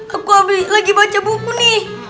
aku lagi baca buku nih